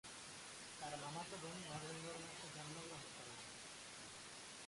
তার মামাতো বোন নভেম্বর মাসে জন্মগ্রহণ করে।